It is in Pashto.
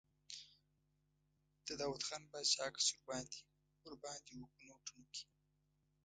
د داووخان باچا عکس ور باندې و په نوټونو کې.